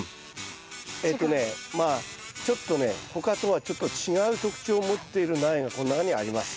えっとねまあちょっとね他とはちょっと違う特徴を持っている苗がこの中にあります。